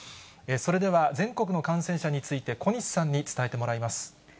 それでは全国の感染者について、小西さんに伝えてもらいます。